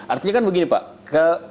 artinya kan begini pak